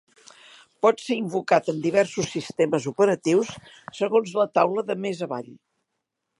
Pot ser invocat en diversos sistemes operatius segons la taula de més avall.